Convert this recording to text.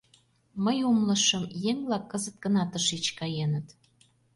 Мый умылышым: еҥ-влак кызыт гына тышеч каеныт.